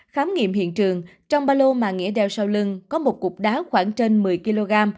khám nghiệm hiện trường trong ba lô mà nghĩa đeo sau lưng có một cục đá khoảng trên một mươi kg